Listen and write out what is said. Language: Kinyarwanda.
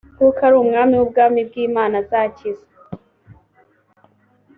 kuko ari umwami w ubwami bw imana azakiza